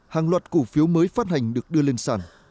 hàng loạt cổ phiếu mới phát hành được đưa lên sàn